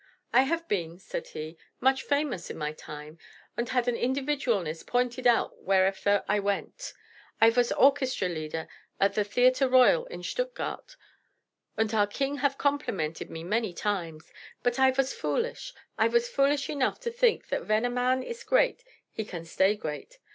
"I haf been," said he, "much famous in my time, unt had a individualness pointed out whereeffer I went. I vas orchestra leader at the Theater Royal in Stuttgart, unt our king haf complimented me many times. But I vas foolish. I vas foolish enough to think that ven a man iss great he can stay great.